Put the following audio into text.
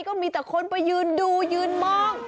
ก็มีแต่คนไปยืนดูยืนมอง